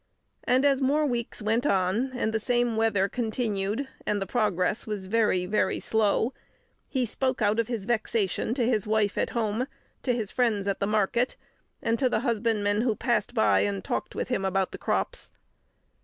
And as more weeks went on, and the same weather continued, and the progress was very, very slow, he spoke out of his vexation to his wife at home, to his friends at the market, and to the husbandmen who passed by and talked with him about the crops.